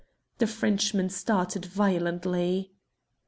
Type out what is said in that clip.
The Frenchman started violently.